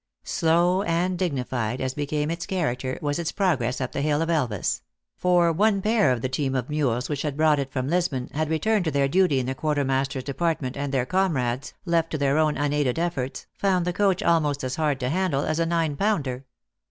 Slow and dignified, as became its character, was its progress up the hill of Elvas ; for one pair of the team of mules which had brought it from. Lisbon, had re turned to their duty in the quartermaster s depart ment, and their comrades, left to their own unaided efforts, found the coach almost as hard to handle as a nine pounder.